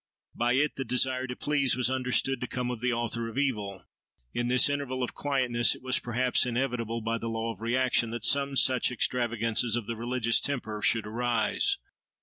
By it the desire to please was understood to come of the author of evil. In this interval of quietness, it was perhaps inevitable, by the law of reaction, that some such extravagances of the religious temper should arise.